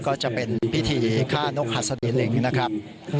ก็จะเป็นพิธีฆ่านกหัสดีลิงนะครับ